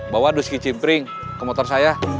bawa duski cipring ke motor saya